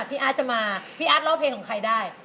พี่อาร์ตจะมาพี่อาร์ดร้องเพลงของใครได้